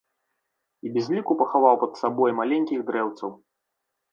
І без ліку пахаваў пад сабой маленькіх дрэўцаў.